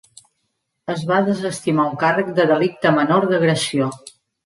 Es va desestimar un càrrec de delicte menor d'agressió.